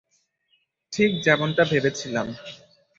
ঠিক যেমনটা ভেবেছিলাম।